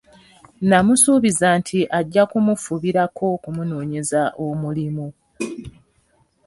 N’amusuubiza nti ajja kumufubirako okumunoonyeza omulimu.